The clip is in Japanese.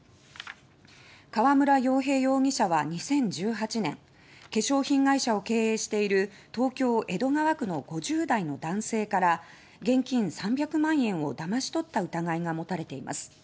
川村洋平容疑者は、２０１８年化粧品会社を経営している東京・江戸川区の５０代の男性から現金３００万円をだまし取った疑いが持たれています。